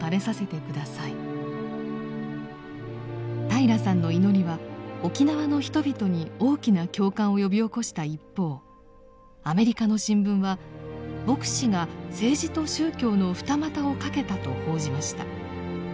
平良さんの祈りは沖縄の人々に大きな共感を呼び起こした一方アメリカの新聞は牧師が政治と宗教の二股をかけたと報じました。